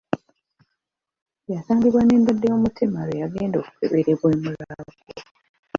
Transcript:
Yasangibwa n’endwadde y’omutima lw’eyagenda okukeberebwa e Mulago.